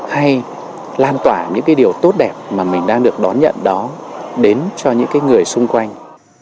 hay lan tỏa những cái điều tốt đẹp mà mình đang được đón nhận đó đến cho những cái người xung quanh